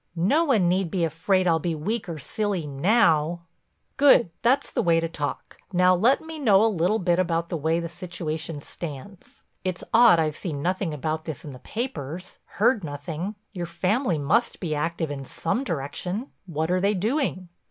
No one need be afraid I'll be weak or silly now." "Good—that's the way to talk. Now let me know a little about the way the situation stands. It's odd I've seen nothing about this in the papers—heard nothing. Your family must be active in some direction. What are they doing?"